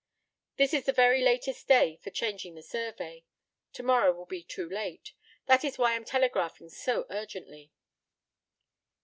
This is the very latest day for changing the survey. To morrow will be too late. That is why I'm telegraphing so urgently."